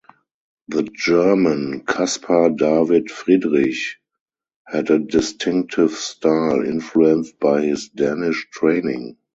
The German Caspar David Friedrich had a distinctive style, influenced by his Danish training.